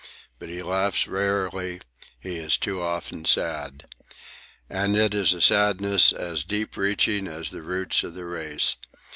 But he laughs rarely; he is too often sad. And it is a sadness as deep reaching as the roots of the race.